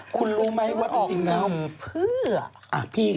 คุณรู้ไหมว่าจริงแล้วเพื่อ